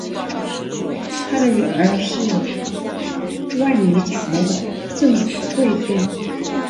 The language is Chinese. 他的女儿是万历朝的郑贵妃。